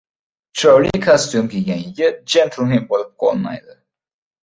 • Chiroyli kostyum kiygan yigit jentlmen bo‘lib qolmaydi.